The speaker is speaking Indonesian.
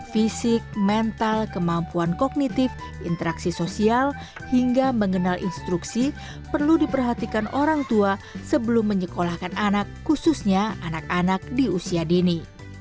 fisik mental kemampuan kognitif interaksi sosial hingga mengenal instruksi perlu diperhatikan orang tua sebelum menyekolahkan anak khususnya anak anak di usia dini